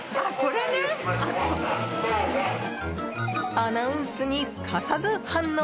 アナウンスにすかさず反応！